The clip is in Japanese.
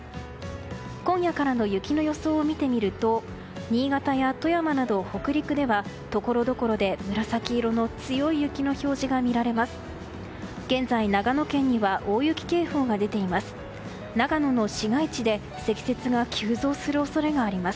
今夜からの雪の予想を見てみると新潟や富山など北陸ではところどころで紫色の強い雪の表示が見られます。